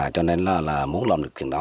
cho nên là muốn làm được chuyện đó